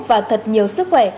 và thật nhiều sức khỏe